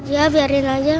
ya biarin aja